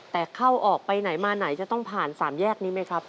แต่เข้าออกไปไหนมาไหนจะต้องผ่าน๓แยกนี้ไหมครับ